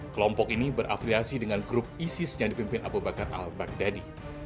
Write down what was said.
kelompok ini berafiliasi dengan grup isis yang dipimpin abu bakar al baghdadi